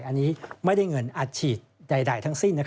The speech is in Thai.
อันนี้ไม่ได้เงินอัดฉีดใดทั้งสิ้น